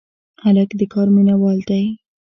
هلک د کار مینه وال دی.